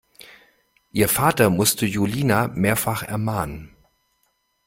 Ihr Vater musste Julina mehrfach ermahnen.